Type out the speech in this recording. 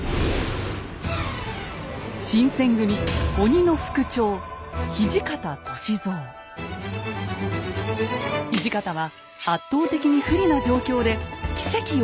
新選組鬼の副長土方は圧倒的に不利な状況で奇跡を起こしました。